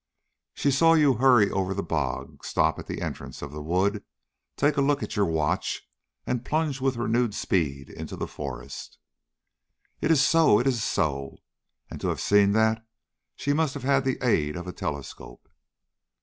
"She saw you hurry over the bog, stop at the entrance of the wood, take a look at your watch, and plunge with renewed speed into the forest." "It is so. It is so. And, to have seen that, she must have had the aid of a telescope."